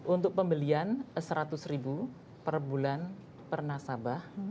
untuk pembelian rp seratus per bulan per nasabah